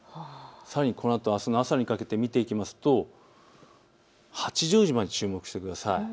さらにこのあとあすの朝にかけて見ていきますと八丈島に注目してください。